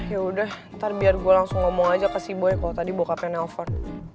yaudah ntar biar gua langsung ngomong aja ke si boy kalau tadi bokapnya nelpon